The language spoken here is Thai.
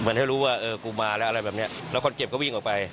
ให้รู้ว่าเออกูมาแล้วอะไรแบบนี้แล้วคนเจ็บก็วิ่งออกไป